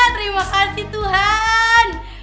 terima kasih tuhan